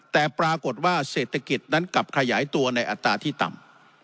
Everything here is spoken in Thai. แต่ปรากฏว่าเศรษฐกิจนั้นกลับขยายตัวในอัตราที่ต่ำ